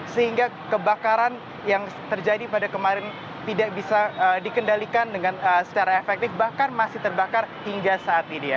sehingga kebakaran yang terjadi pada kemarin tidak bisa dikendalikan dengan secara efektif bahkan masih terbakar hingga saat ini ya